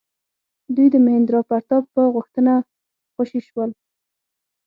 دوی د مهیندرا پراتاپ په غوښتنه خوشي شول.